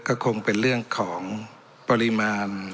ก็คงเป็นเรื่องของปริมาณ